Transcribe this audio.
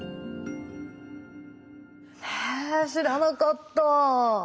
へえ知らなかった。